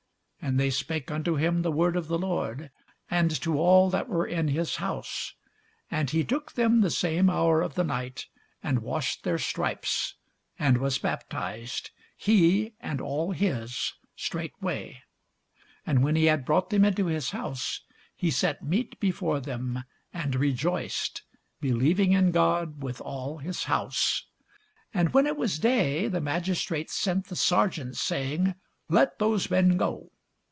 And they spake unto him the word of the Lord, and to all that were in his house. And he took them the same hour of the night, and washed their stripes; and was baptized, he and all his, straightway. And when he had brought them into his house, he set meat before them, and rejoiced, believing in God with all his house. And when it was day, the magistrates sent the serjeants, saying, Let those men go.